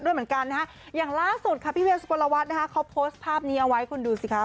อย่างล่าสุดค่ะพี่เวียสุโกนละวัดเขาโพสท์ภาพนี้เอาไว้คุณดูสิคะ